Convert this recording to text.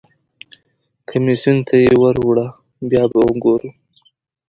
کمیسیون ته یې ور وړه بیا به وګورو.